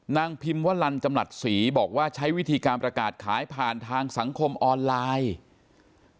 พิมพ์วลันจำหลัดศรีบอกว่าใช้วิธีการประกาศขายผ่านทางสังคมออนไลน์